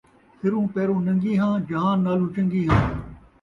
سروں پیروں نن٘گی ہاں ، جہان نالوں چن٘ڳی ہاں